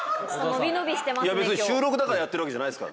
いや別に収録だからやってるわけじゃないですからね。